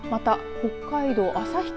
北海道旭川